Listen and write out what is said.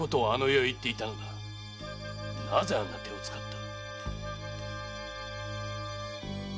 なぜあんな手を使った？